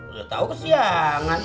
udah tau kesiangan